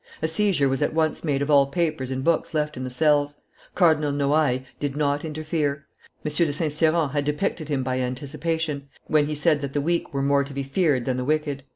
A seizure was at once made of all papers and books left in the cells; Cardinal Noailles did not interfere. M. de St. Cyran had depicted him by anticipation, when he said that the weak were more to be feared than the wicked.